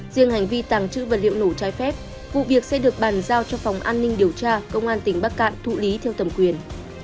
riêng hành vi tàng trữ vật liệu nổ trái phép vụ việc sẽ được bàn giao cho phòng an ninh điều tra công an tỉnh bắc cạn thụ lý theo thẩm quyền